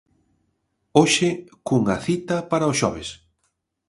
Hoxe cunha cita para o xoves.